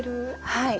はい。